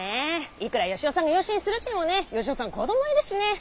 いくら吉雄さんが養子にするってもねぇ吉雄さん子どもいるしねぇ。